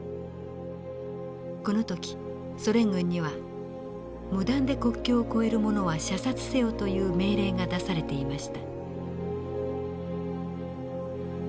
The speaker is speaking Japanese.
この時ソ連軍には無断で国境を越える者は射殺せよという命令が出されていました。